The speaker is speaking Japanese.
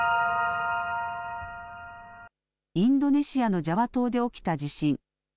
インドネシアのジャワ島で起きた地震。